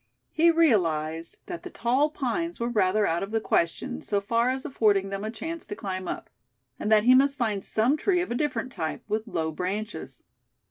He realized that the tall pines were rather out of the question so far as affording them a chance to climb up; and that he must find some tree of a different type, with low branches.